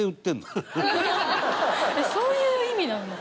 そういう意味なんだ。